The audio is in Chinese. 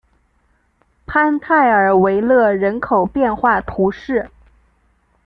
潘泰尔维勒人口变化图示